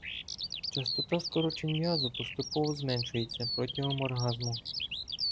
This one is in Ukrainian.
Частота скорочень м'язу поступово зменшується протягом оргазму.